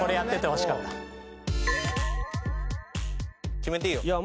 決めていいよ。